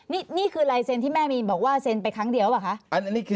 นี่คือลายเซ็นที่แม่มีนบอกว่าเซ็นไปครั้งเดียวหรือเปล่าคะ